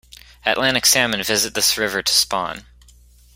Atlantic Salmon visit this river to spawn.